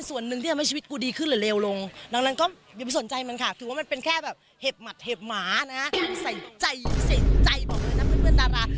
ใส่ใจบอกเลยนะเพื่อนดารา